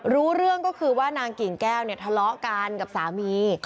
รู้เรื่องก็คือว่านางกิ่งแก้วเนี่ยทะเลาะกันกับสามี